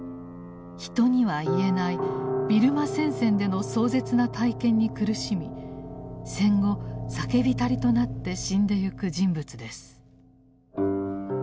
人には言えないビルマ戦線での壮絶な体験に苦しみ戦後酒浸りとなって死んでゆく人物です。